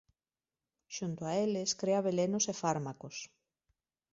Xunto a eles crea velenos e fármacos.